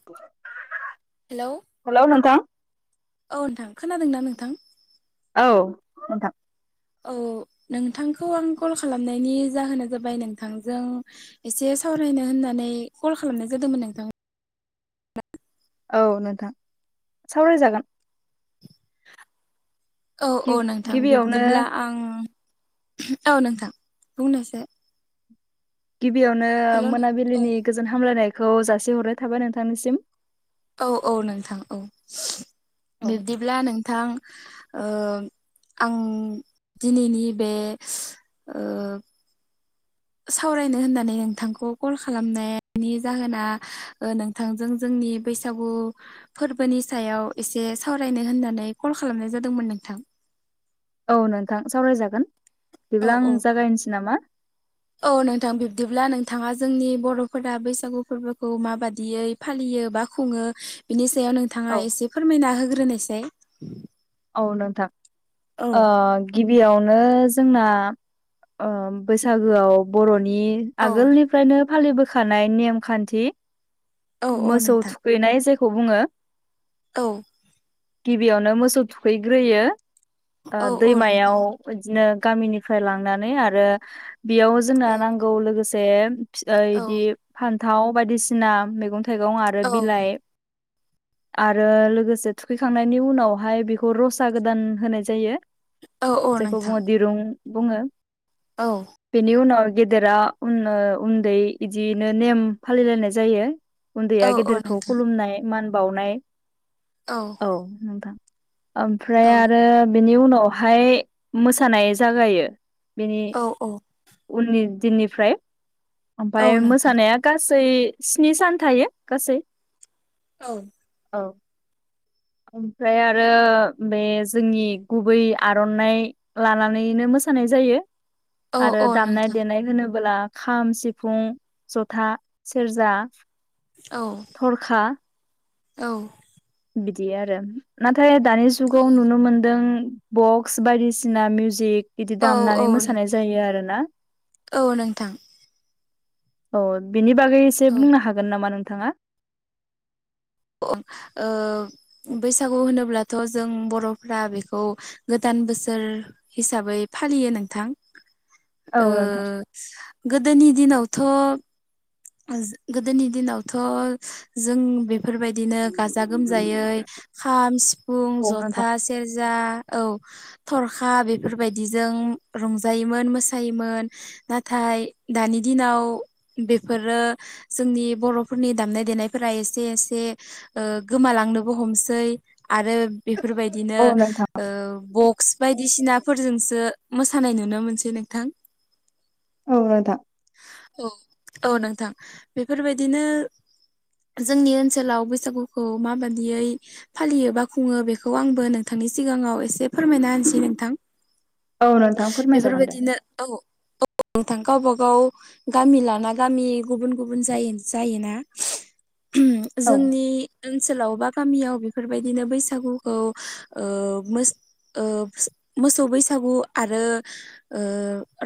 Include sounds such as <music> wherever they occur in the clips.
<inaudible> Hello hello नोंथां औ नोंथां खोनादों ना नोंथां? औ नोंथां। औ नोंथांखौ आं कल खालामनायनि जाहोना जाबाय नोंथांजों एसे सावरायनो होननानै कल खालामनाय जादोंमोन नोंथां। औ नोंथां सावरायजागोन। औ औ नोंथां गिबियावनो बिब्दिब्ला आं औ नोंथां बुंनायसाय। गिबियावनो हेलौ औ मोनाबिलिनि गोजोन हामलायनायखौ जासिहरनाय थाबाय नोंथांनिसिम। औ औ नोंथां औ बिब्दिब्ला नोंथां आं दिनैनि बे सावरायनो होननानै नोंथांखौ कल खालामनायनि जाहोना थांजों जोंनि बैसागु फोरबोनि सायाव एसे सावरायनो होननानै कल खालामनाय जादोंमोन नोंथां। औ नोंथां सावरायजागोन औ बिदिब्ला आं औ जागायनोसै नामा। औ नोंथां बिब्दिब्ला नोंथाङा जोंनि बर'फोरा बैसागु फोरबोखौ माबादियै फालियो बा खुङो बिनि सायाव नोंथाङा औ एसे फोरमायना होग्रोनायसाय। औ नोंथां ओ गिबियावनो जोंना बैसागोआव बर'नि औ आगोलनि फ्रायनो फालिबोखानाय नेम खान्थि औ औ मोसौ नोंथां थुखैनाय जेखौ बुङो। औ गिबियावनो मोसौ थुखैग्रोयो औ औ नोंथां दैमायाव बिदिनो गामिनिफ्राय लांनानै आरो बेयाव जोंनो औ नांगौ लोगोसे फिथाइ औ इदि फान्थाव बायदिसिना मैगं थाइगं आरो औ बिलाइ। आरो लोगोसे थुखैखांनायनि उनावहाय बेखौ रसा गोदान होनाय जायो औ जायखौ नोंथां बुङो दिरुं बुङो। औ बेनि उनाव गेदेरा उ उन्दै बिदियैनो नेम फालिलायनाय जायो औ उन्दैया औ गेदेरखौ नोंथां खुलुमनाय मान बानाय औ औ नोंथां ओमफ्राय औ आरो बेनि उनावहाय मोसानाय जागायो बेनि औ औ उननि दिननिफ्राय औ ओमफ्राय नोंथां मोसानाया गासै स्नि सान थायो गासै औ औ ओमफ्राय <unintelligible> बे जोंनि गुबै आर'नाइ लानानैनो मोसानाय जायो। औ आरो औ दामनाय नोंथां देनाय होनोबो्ला खाम सिफुं जथा सेरजा औ थरखा औ बिदि आरो नाथाय दानि औ जुगाव नुनो मोनदों बक्स बायदिसिना मिउजिक बिदि औ दामनानै मोसानाय जायो आरोना औ नोंथां औ बिनि बागै एसे औ बुंनो हागोन नामा नोंथाङा? अ ओ बैसागु होनोब्लाथ' जों बर'फ्रा बेखौ गोदान बोसोर हिसाबै फालियो नोंथां औ ओ नोंथां गोदोनि दिनावथ' गोदोनि दिनावथ' जों बेफोरबाय बिदिनो गाजा गोमजायै खाम सिफुं औ जथा नोंथां सेरजा औ थरखा बेफोरबायदिजों रंजायोमोन मोसायोमोन नाथाय दानि दिनाव फोरो जोंनि बर'फोरनि दामनाय देनायफोरा एसे एसे ओ गोमालांनोबो हमसै आरो बेफोरबायदिनो औ नोंथां ओ बक्स बायदिसिनाफोरजोंसो मोसानाय नुनो मोनसै नोंथां <inaudible> <unintelligible> औ औ नोंथां बेफोरबायदिनो जोंनि ओनसोलाव बैसागुखौ माबादियै फालियो बा खुङो बेखौ आंबो नोंथांनि सिगाङाव एसे फोरमायना होनसै नोंथां औ नोंथां फोरमायजागोन दे बेफोरबायदिनो औ औ नोंथां गावब गाव गामि लाना गामि गुबुन गुबुन ज जायोना औ जोंनि ओनसोलाव बा गामियाव बेफोरबायदिनो बैसागुखौ ओ मो ओ मोसौ बैसागु आरो ओ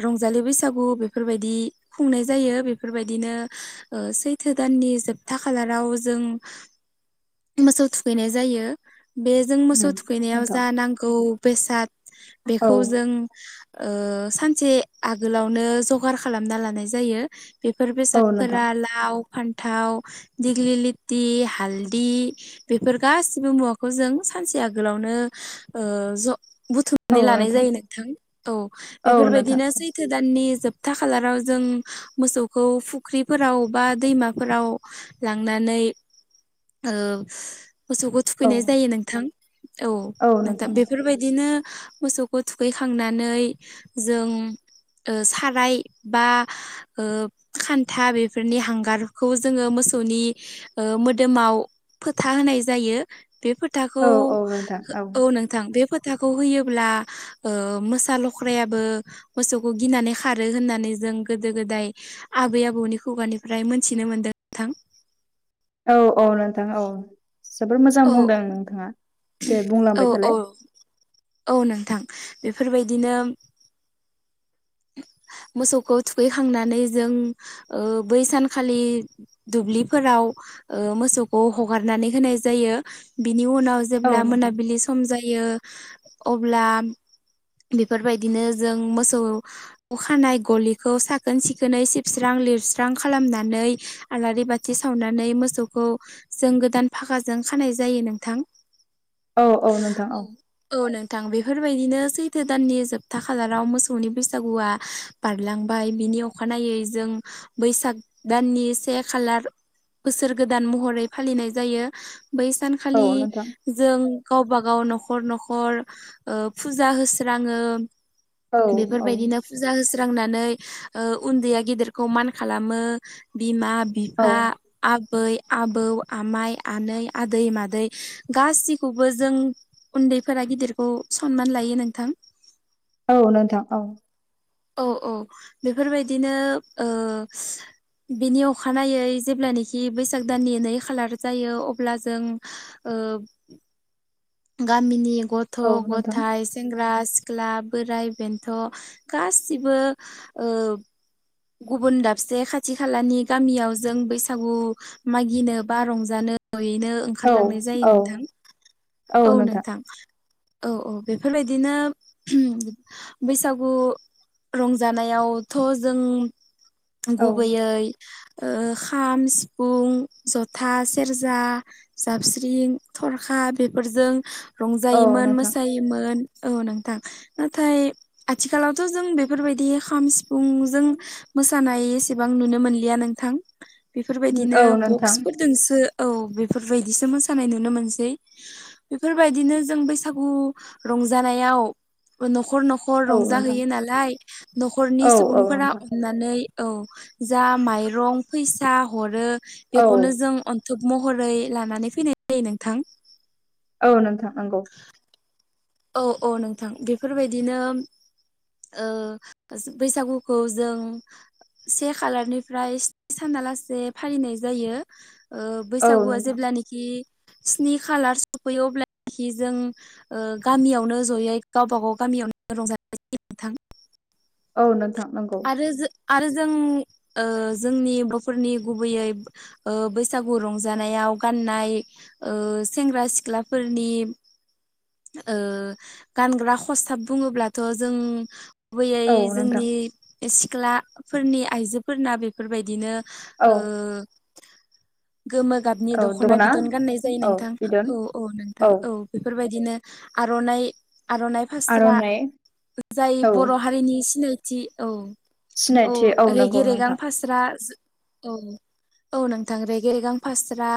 रंजालि बैसागु बेफोरबायदि खुंनाय जायो बे बेफोरबायदिनो ओ सैथो दाननि जोबथा खालाराव जों मोसौ थुखैनाय जायो बेजों उम मोसौ थुखैनायाव नोंथां जा नांगौ बेसाद औ बेखौ जों सानसे आगोलावनो जगार खालामना लानाय जायो बेफोर औ नोंथां बेसादफोरा लाव फान्थाव दिग्लि लथि हालदि बेफोर गासिबो मुवाखौ जों सानसे आगोलावनो ओ ज बुथुम नानै लानाय जायो नोंथां औ औ नोंथां बेफोरबायदिनोसै <unintelligible> दाननि जोबथा खालाराव जों मोसौ खौ फुख्रिफोराव बा दैमाफोराव लांनानै ओ मोसौखौ औ थुखैनाय जायो नोंथां औ नोंथां बेफोरबायदिनो मोसौ खौ थुखैखांनानै जों ओ साराय बा ओ खान्था बेफोरनि हांगारखौ जोङो मोसौनि ओ मोदोमाव फोथा होनाय जायो बे फोथाखौ औ औ नोंथां औ नों थां बे फोथाखौ होयोब्ला ओ मोसा लख्रायाबो मोसौखौ गिनानै खारो होननानै जों गोदो गोदाय आबै आबौनि खुगानिफ्राय मोनथिनो मोनदों नोंथां। औ औ नोंथां औ जोबोर मोजां औ बुंदों नोंथाङा। दे औ बुंलांबाय औ थालाय औ नोंथां बेफोरबायदिनो मोसौखौ थुखैखांनानै जों ओ बै सानखालि दुब्लिफोराव ओ मोसौखौ हगारनानै होनाय जायो बिनि उनाव औ जेब्ला नोंथां मोनाबिलि सम जायो अब्ला बेफोरबायदिनो जों मोसौ अखानाय गलिखौ साखोन सिखोनै सिबस्रां लिरस्रां खालामनानै आलारि बाथि सावनानै मोसौखौ। जों गोदान फाखाजों खानाय जायो नोंथां। औ औ नोंथां औ। औ नोंथां बेफोरबायदिनो सैथो दाननि जोबथा खालाराव मोसौनि बे बैसागुआ बारलांबाय बिनि अखानायै जों बैसाग दाननि से खालार बोसोर गोदान महरै फालिनाय जायो बै औ सानखालि नोंथां जों गावबा गाव न'खर न'खर ओ फुजा होस्राङो। औ औ बेफोरबायदिनो फुजा होस्रांनानै ओ उन्दैया गेदेरखौ मान खालामो बिमा औ बिफा। आबै आबौ आमाइ आनै आदै मादै गासिखौबो जों उन्दैफोरा गिदिरखौ सनमान लायो नोंथां। औ नोंथां औ। औ औ बेफोरबायदिनो ओ बिनि अखानायै जेब्लानोखि बैसाग दाननि नै खालार जायो अब्ला जों ओ गामिनि गथ' औ नोंथां गथाइ सेंग्रा सिख्ला सिख्ला बोराइ बेन्थ' गासिबो ओ गुबुन दाबसे खाथि खालानि गामियाव जों बैसागु मागिनो बा रंजानो जयैनो औ ओंखारलांनाय जायो औ नोंथां। औ नोंथां। औ औ बेफोरबायदिनो बैसागु रंजानायावथ' जों औ गुबैयै ओ खाम सिफुं जथा सेरजा। जाबस्रिं थरखा बेफोरजों औ रंजायोमोन नोंथां मोसायो मोन औ नोंथां नाथाय आथिखालावथ' जों बेफोरबायदि खाम सिफुंजों मोसानाय एसेबां नुनो मोनलिया नोंथां बेफोरबायदिनो औ नोंथां बक्सफोर जोंसो औ बेफोरबायदिसो मोसानाय नुनो मोनसै। बेफोरबायदिनो जों बैसागु रंजानायाव न'खर न'खर। नखर औ नोंथां रंजाहैयो नालाय न'खरनि औ औ सुबुंफोरा नोंथां अन नै औ जा माइरं फैसा हरो औ बेखौनो जों थुब महरै लानानै फैनाय जायो नोंथां। औ नोंथां नंगौ। औ औ नोंथां बेफोरबायदिनो ओ बैसागुखौ जों से खालारनिफ्राय स्नि सानालासे फालिनाय जायो। औ बैसागुवआ नोंथां जेलाखि कि स्नि खालार सफैयो अलखि जों गामियावनो जयै गावबा गाव गामियावनो रंजानाय नोंथां औ नोंथां नोंगौ आरो आरो जों जोंनि बर'फोरनि गुबैयै ओ बैसागु रंजानायाव गाननाय सेंग्रा-सिख्लाफोरनि ओ गानग्रा खस्थाब बुङोब्लाथ' जों गुबैयै औ नोंथां जोंनि सिख्लाफोरनि आइजोफोरना बेफोरबायदिनो औ ओ गोमो गाबनि औ दख'ना दना बिदन गाननाय जायो औ नोंथां बिदन औ औ नोंथां औ बेफोर बायदिनो आर'नाइ आर'नाइ फास्रा आर'नाइ जाय औ बर' हारिनि सिनायथि औ औ सिनायथि नंगौ रेगे रेगां नोंथां फास्रा औ औ नोंथां रेग रेगां फास्रा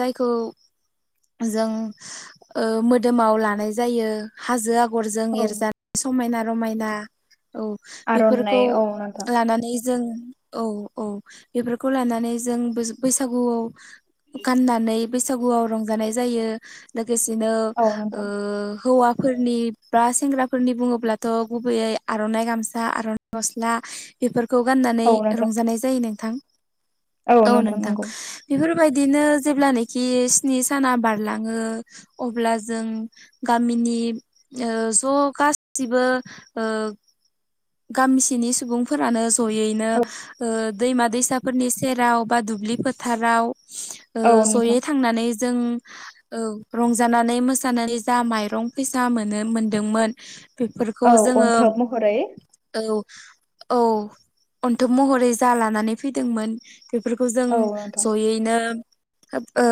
जायखौ जों मोदोमाव ओ लानाय जायो। हाजो आगरजों औ एरजानाय समायना रमायना औ बेफोरखौ आर'नाइ औ नोंथां लानानै जों औ औ बेफोरखौ लानानै जों बै-बैसागुआव गाननानै बैसागुआव रंजानाय जायो लोगोसेनो औ ओ नोंथां हौवा फोरनि बा सेंग्राफोरनि बुङोब्लाथ' गुबैयै आर'नाइ गामसा सा आरन गस्ला बेफोरखौ गाननानै औ नोंथां रंजानाय जायो नोंथां औ नोंथां बेफोरबायदिनो जेब्लानोाखि स्नि साना बारलाङो अब्ला जों गामिनि ओ ज' गासिबो ओ गामिसेनि सुबुंफोरानो जयैनो औ ओ दैमा-दैसा फोरनि सेराव बा दुब्लि फोथाराव ओ औ जयै नोंथां थांनानै जों औ रंजानानै मोसानानै जा माइरं फैसा मोनो मोनदोंमोन। बेफोरखौ औ जोङो अन्थोब महरै औ औ अन्थोब महरै जा लानानै फैदोंमोन। बेफोरखौ जों औ नोंथां जयै बिदिनो ओ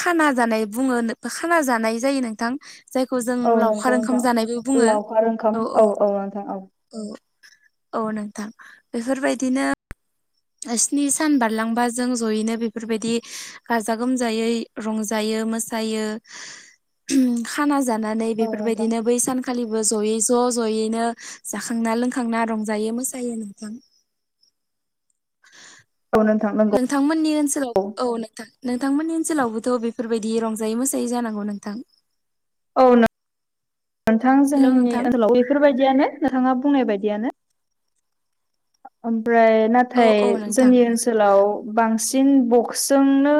खाना जानाय बुङो खाना जानाय जायो नोंथां जायखौ जों औ लावखार नंगौ ओंखाम नोंथां जानायबो बुङो लावखार ओंखाम औ औ औ नोंथां औ औ औ नोंथां बेफोर बायदिनो स्नि सान बारलांबा जों जयैनो बेफोरबायदि गाजा गोमजायै रंजायो मोसायो खाना जानानै औ बेफोर नोंथां बायदिनो बै सान खालिबो ज'यै ज' ज'यैनो जाखांना लोंखांना रंजायो मोसायो नोंथां औ नोथां नोंथांमोननि ओनसोलाव औ नोंथां नोंथांमोननि ओनसोलावबोथ' बेफोरबायदि रंजायै मोसायै जानांगौ नोंथां औ नोंथां हेलौ जोंनि नोंथां ओनसोलाव बेफोर बायदियानो नोंथाङा बुंनाय बायदियानो ओमफ्राय ना औ थाय औ नोंथां जोंनि ओनसोलाव बांसिन सोंनो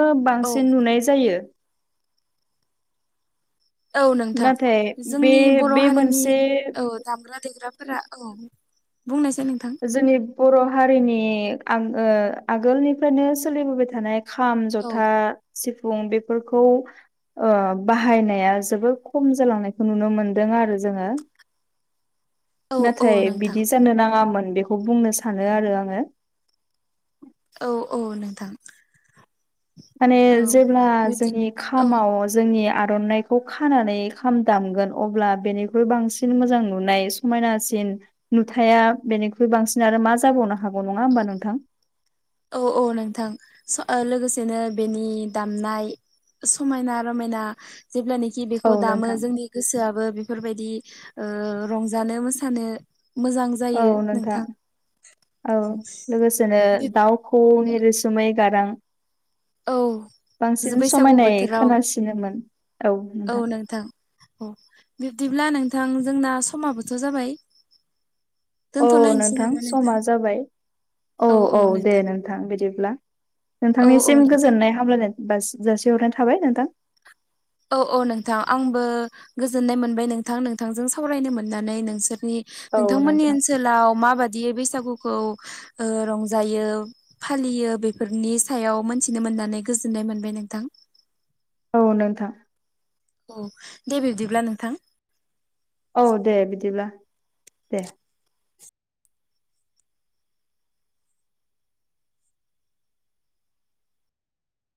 औ बांसिन नुनाय जायो। औ नोंथां नाथाय बे जोंनि बर' बे हारिनि मोनसे औ दामग्रा-देग्रा फोरा औ बुंनायसै नोंथां जोंनि बर' हारिनि आ ओ आगोलनिफ्रायनो सोलिबोबाय थानाय खाम औ जथा सिफुं बेफोरखौ ओ बाहायनाया जोबोद खम जालांनायखौ नुनो मोनदों आरो जोङो। औ औ नाथाय नोंथां बिदि जानो नाङामोन बेखौ बुंनो सानो आरो आङो। औ-औ नोंथां। माने औ जेब्ला बिदि जोंनि औ खामाव जोंनि आर'नाइखौ खानानै खाम दामगोन अब्ला बेनिख्रुइ बांसिन मोजां नुनाय समायनासिन नुथाया बेनिख्रुइ बांसिन आरो मा जाबावनो हागौ नङा होमबा नोंथां? औ-औ नोंथां लोगोसेनो बेनि दामनाय। समायना रमायना जेब्लानेखि औ बेखौ दामो नोंथां जोंनि गोसोआबो बेफोरबायदि ओ रंजानो मोसानो मोजां औ नोंथां औ लोगोसेनो दाउ खौवौनि रोसोमै गारां। औ बांसिन बैसागु समायनाय बोथोराव खोनासिनोमोन औ नोंथां। नोंथां। अ बिब्दिब्ला नोंथां जोंना समाबोथ' जाबाय? औ दोनथ'लायनोसै नोंथां नामा समा जाबाय औ औ औ-औ दे नोंथां नों थां बिदिब्ला औ औ नोंथांनिसिम नोंथां गोजोननाय हामलायनाय बा जासिहरनाय थाबाय नोंथां। औ औ नोंथां आंबो गोजोननाय मोनबाय नोंथां नोंथांजों सावरायनो मोननानै नोंसोरनि औ नोंथांमोननि नोंथां ओनसोलाव माबायैदि बैसागुखौ ओ रंजायो। फालियो बेफोरनि सायाव मोन्थिनो मोननानै गोजोननाय मोनबाय नोंथां। औ नोंथां। औ दे बिबदिब्ला नोंथां। औ दे बिदिब्ला दे।